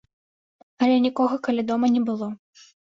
Але нікога каля дома не было.